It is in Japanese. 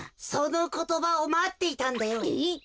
そのことばをまっていたんだよ。